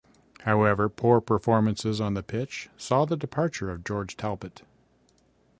However, poor performances on the pitch saw the departure of George Talbot.